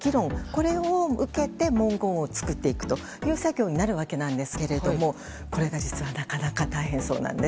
これを受けて文言を作っていくという作業になっていくわけなんですがこれが実はなかなか大変そうなんです。